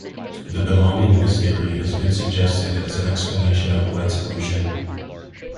The belongingness theory has been suggested as an explanation of White's illusion.